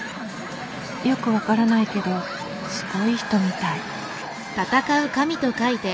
よく分からないけどすごい人みたい。